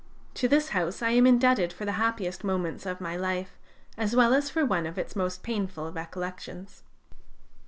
To this house I am indebted for the happiest moments of my life, as well as for one of its most painful recollections.